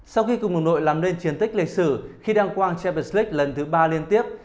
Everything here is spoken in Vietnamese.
sau khi cùng đội làm nên triển tích lịch sử khi đăng quang champions league lần thứ ba liên tiếp